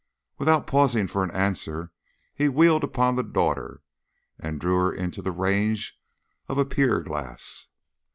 Without pausing for an answer, he wheeled upon the daughter and drew her into the range of a pier glass.